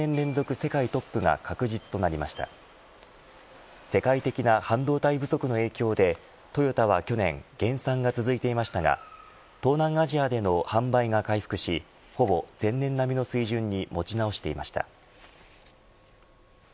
世界的な半導体不足の影響でトヨタは去年減産が続いていましたが東南アジアでの販売が回復しほぼ前年並みの水準に持ち直していました。